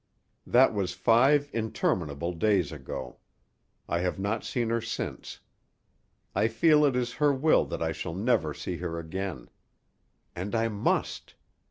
That was five interminable days ago. I have not seen her since. I feel it is her will that I shall never see her again. And I must!